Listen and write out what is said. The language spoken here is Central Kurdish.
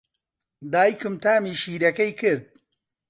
دایکم تامی شیرەکەی کرد.